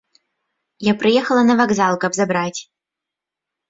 Я прыехала на вакзал, каб забраць.